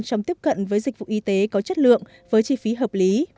trong tiếp cận với dịch vụ y tế có chất lượng với chi phí hợp lý